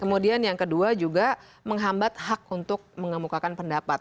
kemudian yang kedua juga menghambat hak untuk mengemukakan pendapat